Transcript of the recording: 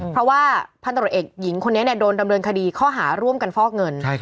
เพราะว่าพันตรวจเอกหญิงคนนี้โดนดำเนินคดีข้อหาร่วมกันฟอกเงิน